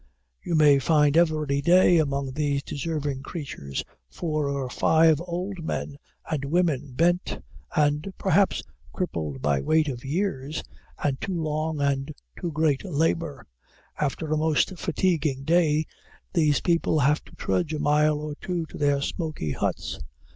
you may find every day among these deserving creatures, four or five old men and women, bent and perhaps crippled by weight of years, and too long and too great labor. After a most fatiguing day, these people have to trudge a mile or two to their smoky huts.